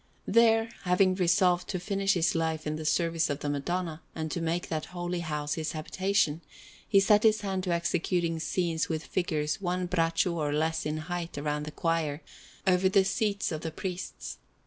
There, having resolved to finish his life in the service of the Madonna, and to make that holy house his habitation, he set his hand to executing scenes with figures one braccio or less in height round the choir, over the seats of the priests.